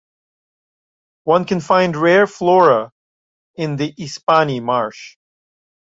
One can find rare flora in the Ispani marsh.